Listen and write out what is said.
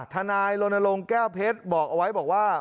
ทนายโรนโลงแก้วเพชรเอาไว้บอกว่า